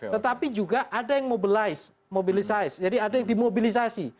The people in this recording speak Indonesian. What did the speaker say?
tetapi juga ada yang mobilize mobilicize jadi ada yang dimobilisasi